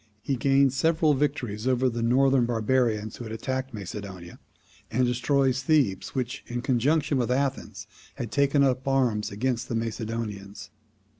He gains several victories over the northern barbarians who had attacked Macedonia, and destroys Thebes, which, in conjunction with Athens, had taken up arms against the Macedonians.